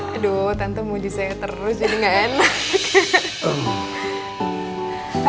aduh tentu muji saya terus jadi gak enak